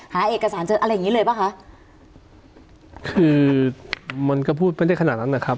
หาเอกสารเจออะไรอย่างงี้เลยป่ะคะคือมันก็พูดไม่ได้ขนาดนั้นนะครับ